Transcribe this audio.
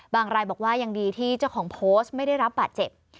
รายบอกว่ายังดีที่เจ้าของโพสต์ไม่ได้รับบาดเจ็บ